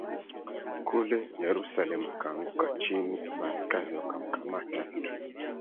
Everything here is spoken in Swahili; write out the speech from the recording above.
kule Yerusalemu akaanguka chini Maaskari wakamkamata mtu